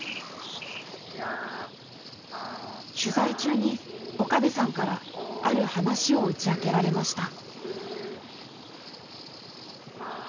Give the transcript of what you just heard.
取材中に岡部さんからある話を打ち明けられました。